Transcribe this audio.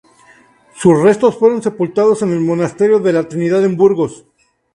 Sus restos fueron sepultados en el monasterio de la Trinidad en Burgos.